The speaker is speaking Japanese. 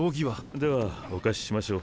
ではお貸ししましょう。